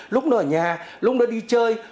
lúc đó ở nhà lúc đó đi chơi